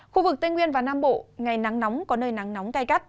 khu vực tây nguyên và nam bộ ngày nắng nóng có nơi nắng nóng cay cắt